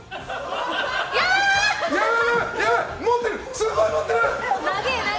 すごい持ってる！